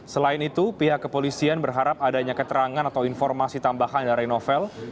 selain itu pihak kepolisian berharap adanya keterangan atau informasi tambahan dari novel